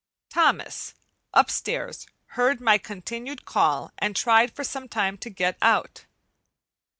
Thomas, upstairs, heard my continued call and tried for some time to get out.